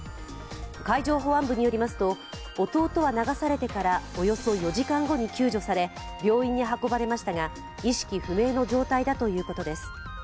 海上保安部によりますと、弟は流されてからおよそ４時間後に救助され病院に運ばれましたが意識不明の状態だということです。